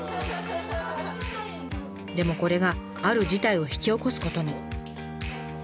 でもこれがある事態を引き起こすことに。